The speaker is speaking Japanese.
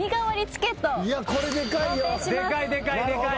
いやこれでかいよ。